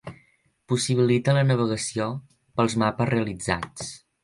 Possibilita la navegació pels mapes realitzats.